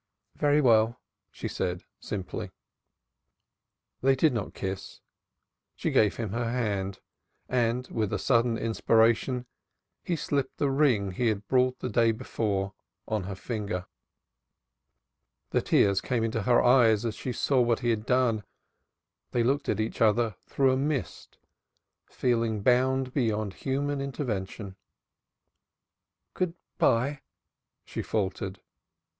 "Very well," she said simply. They did not kiss; she gave him her hand, and, with a sudden inspiration, he slipped the ring he had brought the day before on her finger. The tears came into her eyes as she saw what he had done. They looked at each other through a mist, feeling bound beyond human intervention. "Good bye," she faltered.